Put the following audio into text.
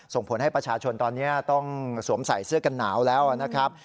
ส่งผลให้ประชาชนตอนนี้ต้องสวมใส่เสื้อกันหนาวแล้วนะครับ